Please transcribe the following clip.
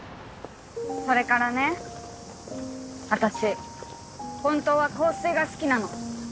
それからね私ホントは香水が好きなの。